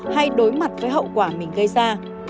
hay đối mặt với hậu quả mình gây ra